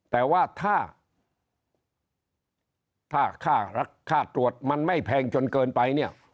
แต่ว่าถ้าค่ารักษาตรวจมันไม่แพงจนเกินไป